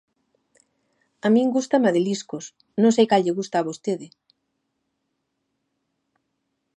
A min gústame a de liscos; non sei cal lle gusta a vostede.